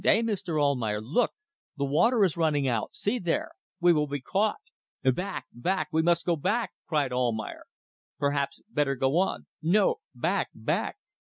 "Eh, Mr. Almayer! Look! The water is running out. See there! We will be caught." "Back! back! We must go back!" cried Almayer. "Perhaps better go on." "No; back! back!"